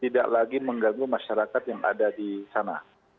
tidak lagi mengganggu masyarakat yang ada di sana